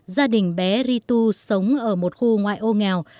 gia đình bé ritu sống ở một khu ngoại ô nghèo